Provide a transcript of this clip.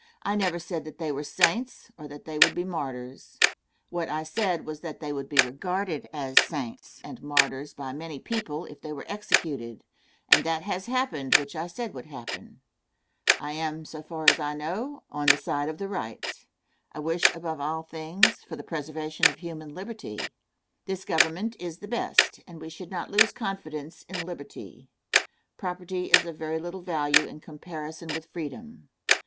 I never said that they were saints, or that they would be martyrs. What I said was that they would be regarded as saints and martyrs by many people if they were executed, and that has happened which I said would happen. I am, so far as I know, on the side of the right. I wish, above all things, for the preservation of human liberty. This Government is the best, and we should not lose confidence in liberty. Property is of very little value in comparison with freedom.